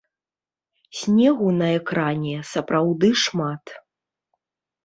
Снегу на экране сапраўды шмат.